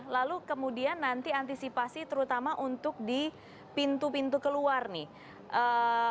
lalu kemudian nanti antisipasi terutama untuk di pintu pintu keluar nih